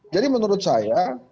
jadi menurut saya